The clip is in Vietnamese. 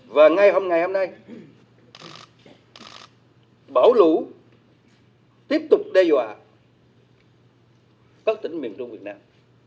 và ngay hôm nay bão lũ tiếp tục đe dọa các tỉnh miền trung việt nam